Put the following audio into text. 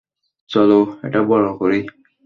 চলো এটা বড় করি।